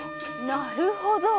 なるほど。